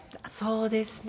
そうですね。